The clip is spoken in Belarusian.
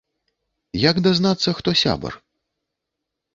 Як дазнацца, хто сябар?